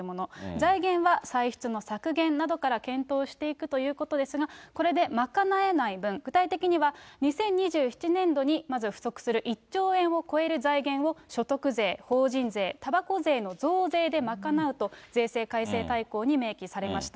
財源は歳出の削減などから検討していくということですが、これで賄えない分、具体的には２０２７年度に、まず不足する１兆円を超える財源を所得税、法人税、たばこ税の増税で賄うと、税制改正大綱に明記されました。